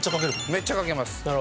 めっちゃかけます。